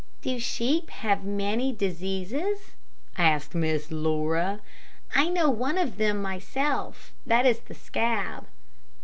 "Do sheep have many diseases?" asked Miss Laura. "I know one of them myself that is the scab."